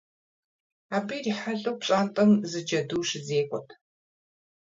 Абы ирихьэлӀэу пщӀантӀэм зы джэду щызекӀуэрт.